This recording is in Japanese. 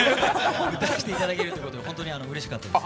歌わせていただけるということで本当にうれしかったです。